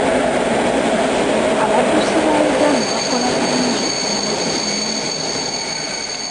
Abaddusi ba Uganda bakola bulungi ennaku zino.